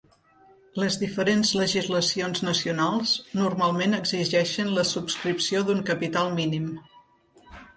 Les diferents legislacions nacionals normalment exigeixen la subscripció d'un capital mínim.